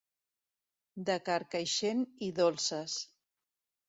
De Carcaixent i dolces.